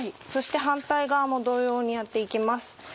そして反対側も同様にやって行きます。